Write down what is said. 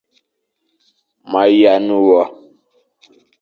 Ma yane wa.